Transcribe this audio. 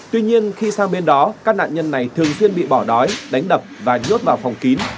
tuy nhiên khi sang bên đó các nạn nhân này thường xuyên bị bỏ đói đánh đập và nhốt vào phòng kín